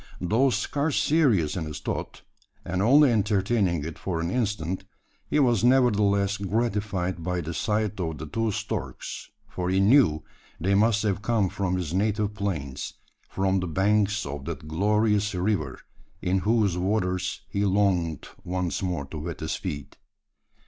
Though scarce serious in his thought and only entertaining it for an instant he was nevertheless gratified by the sight of the two storks, for he knew they must have come from his native plains from the banks of that glorious river in whose waters he longed once more to wet his feet.